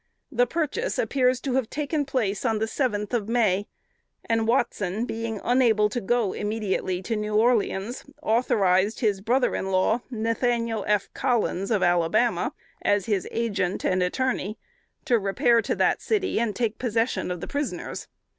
The purchase appears to have taken place on the seventh of May; and Watson, being unable to go immediately to New Orleans, authorized his brother in law, Nathaniel F. Collins of Alabama, as his agent and attorney, to repair to that city and take possession of the prisoners.